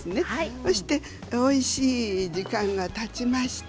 そしておいしい時間がたちました。